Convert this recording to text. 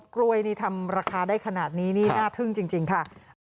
กล้วยนี่ทำราคาได้ขนาดนี้นี่น่าทึ่งจริงค่ะ